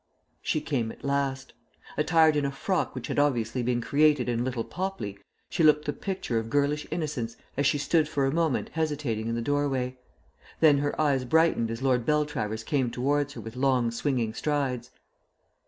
She came at last. Attired in a frock which had obviously been created in Little Popley, she looked the picture of girlish innocence as she stood for a moment hesitating in the doorway. Then her eyes brightened as Lord Beltravers came towards her with long swinging strides.